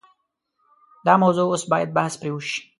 دا موضوع اوس باید بحث پرې وشي.